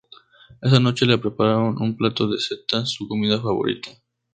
Esa noche le prepararon un plato de setas, su comida favorita.